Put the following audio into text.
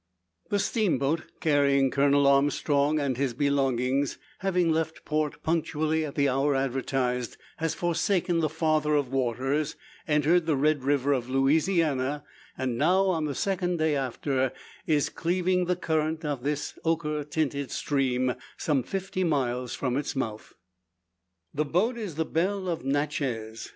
The steamboat, carrying Colonel Armstrong and his belongings, having left port punctually at the hour advertised, has forsaken the "Father of Waters," entered the Red River of Louisiana, and now, on the second day after, is cleaving the current of this ochre tinted stream, some fifty miles from its mouth. The boat is the "Belle of Natchez."